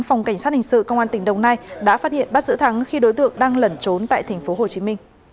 phòng cảnh sát hình sự công an tp hcm đã phát hiện bắt giữ thắng khi đối tượng đang lẩn trốn tại tp hcm